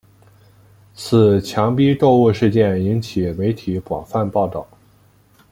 此强逼购物事件引起媒体广泛报道。